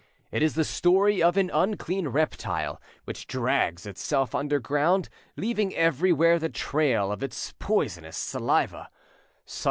It is the story of an unclean reptile which drags itself underground, leaving everywhere the trail of its poisonous saliva.